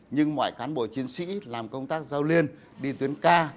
nhưng mọi cán bộ chiến sĩ làm công tác giao liên đi tuyến ca